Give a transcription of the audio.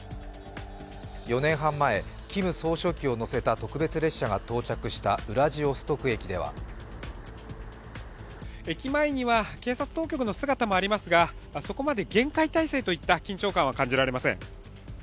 ４年半前、キム総書記を乗せた特別列車が到着したウラジオストク駅では駅前には警察当局の姿もありますがそこまで厳戒態勢といった緊張感は感じられません。